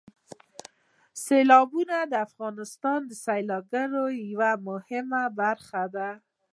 سیلابونه د افغانستان د سیلګرۍ یوه مهمه برخه ده.